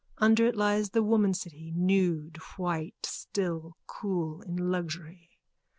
Under it lies the womancity, nude, white, still, cool, in luxury.